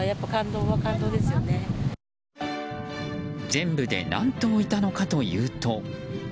全部で何頭いたのかというと。